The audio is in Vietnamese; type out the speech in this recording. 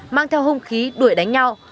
mang theo hông khí đuổi đánh nhau